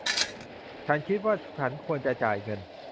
ฉันคิดว่าฉันควรจะจ่ายเงิน